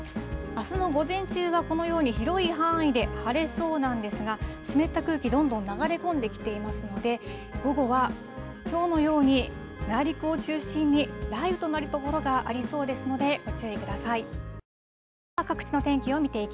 あすの午前中はこのように広い範囲で晴れそうなんですが、湿った空気、どんどん流れ込んできていますので、午後はきょうのように内陸を中心に、雷雨となる所がありそうですので、ご注意ください。